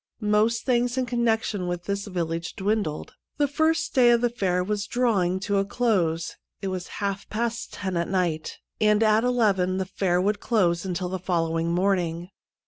Most things in connection with this village dwindled. The first day of the fair was draw ing to a close. It was half past ten at night, and at eleven the fair would close until the following morning.